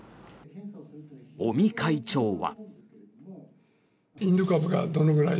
尾身会長は。